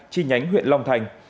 chi nhánh huyện long thành